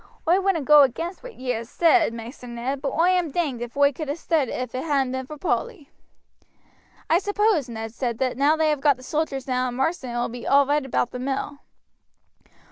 Oi wouldn't go agin what ye said, Maister Ned; but oi am danged if oi could ha' stood it ef it hadn't been for Polly." "I suppose," Ned said, "that now they have got the soldiers down in Marsden it will be all right about the mill."